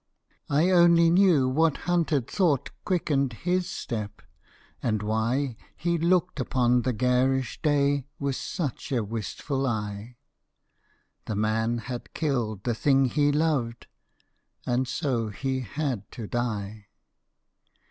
I only knew what hunted thought Quickened his step, and why He looked upon the garish day With such a wistful eye; The man had killed the thing he loved, And so he had to die.